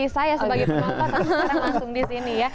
saya sebagai teman teman langsung disini ya